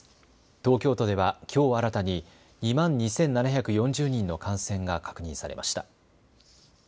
東京都ではきょう新たに２万２７４０人の感染が確認されました。